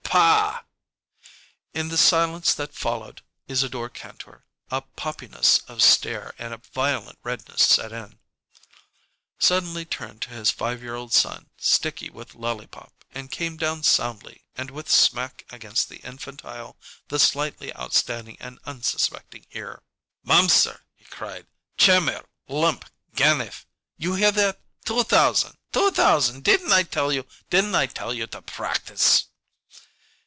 "Pa!" In the silence that followed, Isadore Kantor, a poppiness of stare and a violent redness set in, suddenly turned to his five year old son, sticky with lollipop, and came down soundly and with smack against the infantile, the slightly outstanding and unsuspecting ear. "Momser!" he cried. "Chammer! Lump! Ganef! You hear that? Two thousand! Two thousand! Didn't I tell you didn't I tell you to practise?"